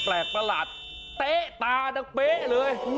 ประหลาดเต๊ะตาดังเป๊ะเลย